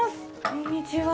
こんにちは。